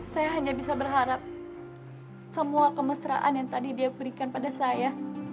saya hanya bisa berharap semua kemesraan yang tadi dia berikan pada saya